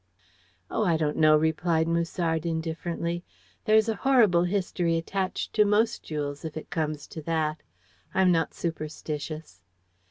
"Oh, I don't know," replied Musard indifferently. "There's a horrible history attached to most jewels, if it comes to that. I am not superstitious."